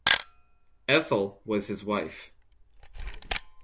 Ethel was his wife.